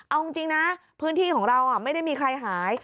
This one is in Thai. เอาจริงนะพื้นที่ของเราไม่ได้มีใครหาย